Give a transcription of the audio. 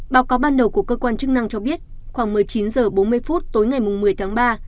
báo cáo ban đầu của cơ quan chức năng cho biết khoảng một mươi chín h bốn mươi phút tối ngày một mươi tháng ba